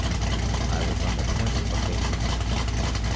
I was on the point of fainting.